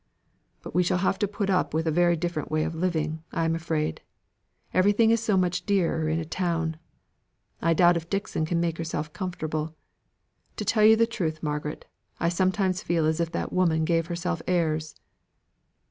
"But we shall have to put up with a very different way of living, I am afraid. Everything is so much dearer in a town. I doubt if Dixon can make herself comfortable. To tell you the truth, Margaret, I sometimes feel as if that woman gave herself airs."